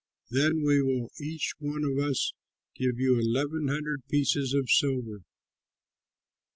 Then we will each one of us give you eleven hundred pieces of silver."